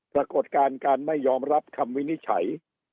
ปรากฏการณ์การไม่ยอมรับคำวินิจฉัย